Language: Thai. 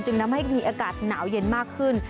ทำให้มีอากาศหนาวเย็นมากขึ้น